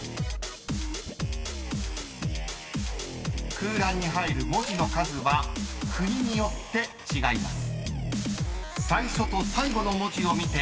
［空欄に入る文字の数は国によって違います］